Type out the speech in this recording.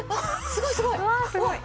すごいすごい！